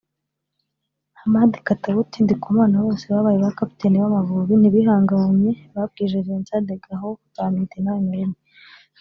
Hamadi Katauti Ndikumana bose babaye ba kapiteni b’Amavubi ntibihanganye babwije Vincent De Gaulle Nzamwita inani na rimwe